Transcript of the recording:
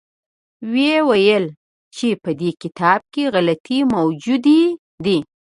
ویې ویل چې په دې کتاب کې غلطۍ موجودې دي.